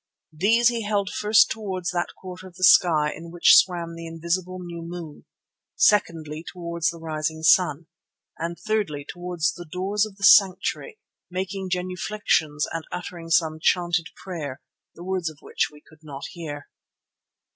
These he held first towards that quarter of the sky in which swam the invisible new moon, secondly towards the rising sun, and thirdly towards the doors of the sanctuary, making genuflexions and uttering some chanted prayer, the words of which we could not hear.